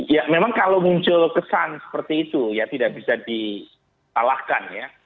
ya memang kalau muncul kesan seperti itu ya tidak bisa disalahkan ya